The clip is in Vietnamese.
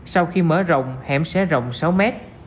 sau khi mở rộng hẻm sẽ rộng sáu m